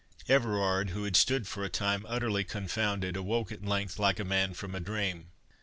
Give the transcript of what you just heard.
Everard, who had stood for a time utterly confounded, awoke at length like a man from a dream.